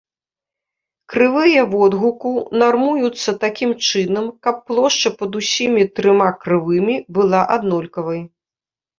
Крывыя водгуку нармуюцца такім чынам, каб плошча пад усімі трыма крывымі была аднолькавай.